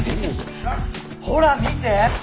ほら見て。